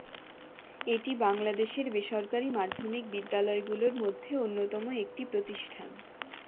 এটি বাংলাদেশের বেসরকারী মাধ্যমিক বিদ্যালয়গুলোর মধ্যে অন্যতম একটি শিক্ষা প্রতিষ্ঠান।